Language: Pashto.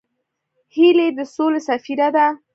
هیلۍ د سولې سفیره ده